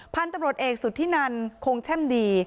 พันธุ์ตำรวจเอกสุธินันคงแช่มดี